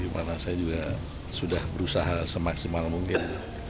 karena saya juga sudah berusaha semaksimal mungkin